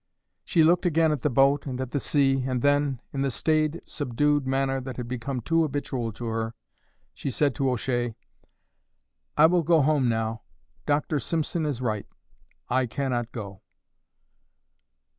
She looked again at the boat and at the sea, and then, in the stayed subdued manner that had become too habitual to her, she said to O'Shea: "I will go home now. Dr. Simpson is right. I cannot go."